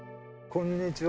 こんにちは。